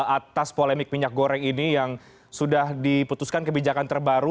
atas polemik minyak goreng ini yang sudah diputuskan kebijakan terbaru